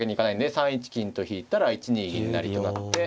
３一金と引いたら１二銀成と成って。